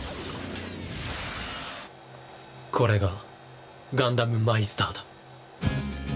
これがガンダムマイスターだ。